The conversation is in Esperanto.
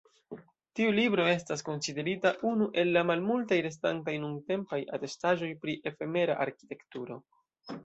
Tiu libro estas konsiderita unu el la malmultaj restantaj nuntempaj atestaĵoj pri efemera arkitekturo.